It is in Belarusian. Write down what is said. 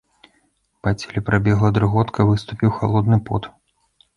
Па целе прабегла дрыготка, выступіў халодны пот.